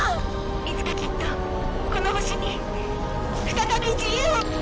「いつかきっとこの星に再び自由を」